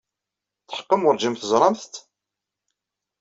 Tetḥeqqem werjin teẓramt-t?